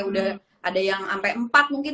udah ada yang sampai empat mungkin